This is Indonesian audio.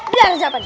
biaran siapa nih